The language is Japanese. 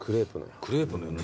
クレープのようだね